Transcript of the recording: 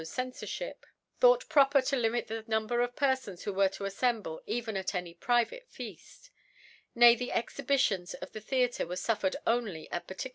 *8Cen forfliip, thought proper to limit the Num ber of Perfons who were to aflenible'even ar any private Feaft f . Nay the Exhibi ion* of the Theatre were (uflf^red oniy at parti cu!